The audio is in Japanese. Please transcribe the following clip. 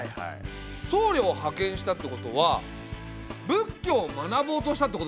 僧侶を派遣したってことは仏教を学ぼうとしたってことだよね？